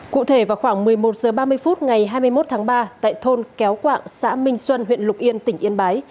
cụ thể vào khoảng một mươi một h ba mươi phút ngày hai mươi một tháng ba tại thôn kéo quạng xã minh xuân huyện lục yên tỉnh yên bái